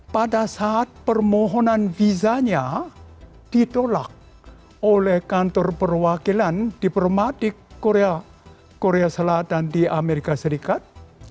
pada saat permohonan visanya ditolak oleh kantor perwakilan diplomatik korea selatan di amerika serikat